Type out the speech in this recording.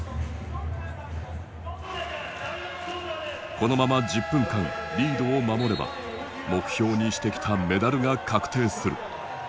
このまま１０分間リードを守れば目標にしてきたメダルが確定する。